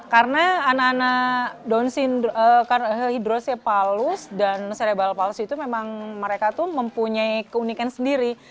karena anak anak hidrosepalus dan selebral palsi itu memang mereka mempunyai keunikan sendiri